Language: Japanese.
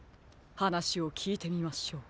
はなしをきいてみましょう。